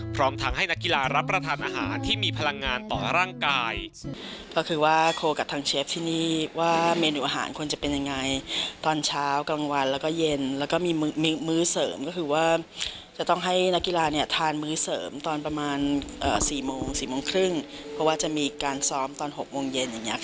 พร้อมทั้งให้นักกีฬารับประทานอาหารที่มีพลังงานต่อร่างกาย